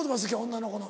女の子の。